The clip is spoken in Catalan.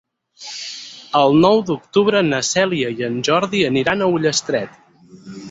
El nou d'octubre na Cèlia i en Jordi aniran a Ullastret.